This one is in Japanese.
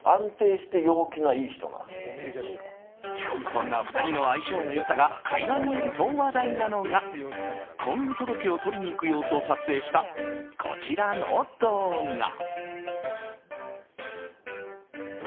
そんな２人の相性の良さが垣間見えると話題なのが婚姻届を取りに行く様子を撮影した、こちらの動画。